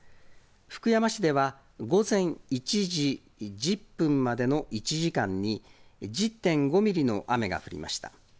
福山市では、午前１時１０分までの１時間に、１０．５ミリの雨が降りました。